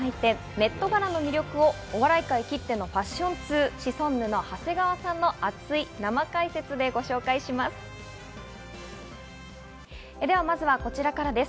ＭＥＴガラの魅力をお笑い界きってのファッション通、シソンヌ・長谷川さんの熱い生解説でご紹介します。